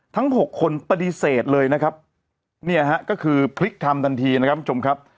หกคนปฏิเสธเลยนะครับเนี่ยฮะก็คือพลิกทำทันทีนะครับคุณผู้ชมครับ